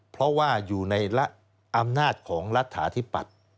เพราะว่าอยู่ในอำนาจของรัฐาธิปัตย์